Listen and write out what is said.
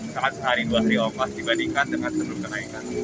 sangat sehari dua hari ongkos dibandingkan dengan sebelum kenaikan